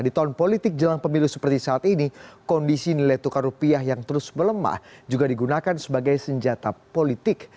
di tahun politik jelang pemilu seperti saat ini kondisi nilai tukar rupiah yang terus melemah juga digunakan sebagai senjata politik